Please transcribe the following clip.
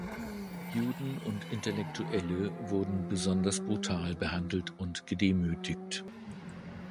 Juden und Intellektuelle wurden besonders brutal behandelt und gedemütigt.